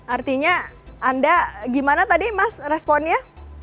artinya anda gimana tadi mas responnya